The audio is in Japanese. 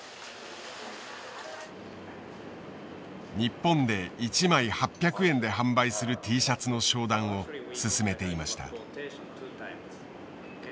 日本で一枚８００円で販売するＴシャツの商談を進めていました。